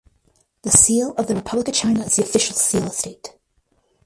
The Seal of the Republic of China is the official seal of state.